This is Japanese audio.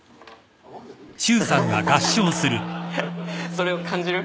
それを感じる？